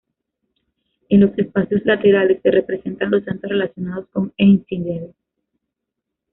En los espacios laterales se representan los santos relacionados con Einsiedeln.